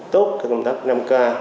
tốt cái công tác năm k